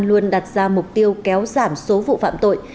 luôn đặt ra mục tiêu kéo giảm số vụ phạm tội